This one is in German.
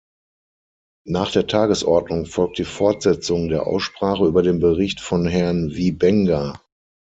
Nach der Tagesordnung folgt die Fortsetzung der Aussprache über den Bericht von Herrn Wiebenga.